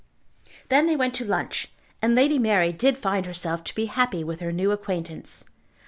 Then they went to lunch, and Lady Mary did find herself to be happy with her new acquaintance.